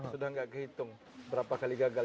sudah tidak kehitung berapa kali gagal